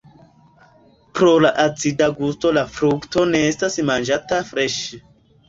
Pro la acida gusto la frukto ne estas manĝata freŝe.